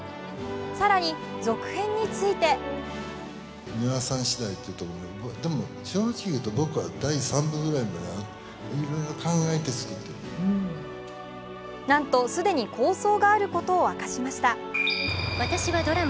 更に続編についてなんと既に構想があることを明かしました。